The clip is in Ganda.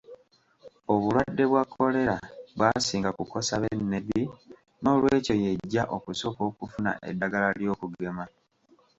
Obulwadde bwa Kolera bwasinga kukosa b'e Nebbi, n'olwekyo y'ejja okusooka okufuna eddagala ly'okugema.